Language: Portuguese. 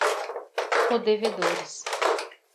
codevedores